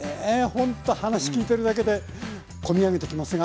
ほんと話聞いてるだけで込み上げてきますが。